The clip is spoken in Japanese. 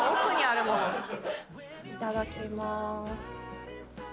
いただきます。